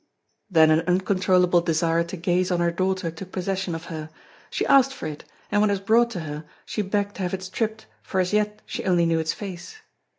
Then an uncontrollable desire to gaze on her daughter took possession of her. She asked for it, and when it was brought to her, she begged to have it stripped, for as yet she only knew its face.